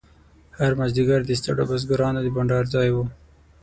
هر مازیګر د ستړو بزګرانو د بنډار ځای و.